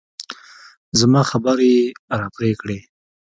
زما خبرې يې راپرې کړې.